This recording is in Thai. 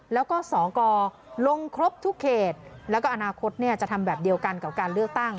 แล้วก็สกลงครบทุกเขตแล้วก็อนาคตจะทำแบบเดียวกันกับการเลือกตั้ง